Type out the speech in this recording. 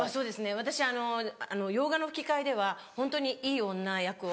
私洋画の吹き替えではホントにいい女役を。